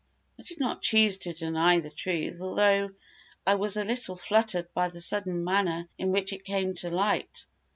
I did not choose to deny the truth, although I was a little fluttered by the sudden manner in which it came to light.